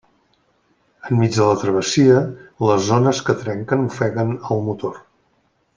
Enmig de la travessia, les ones que trenquen ofeguen el motor.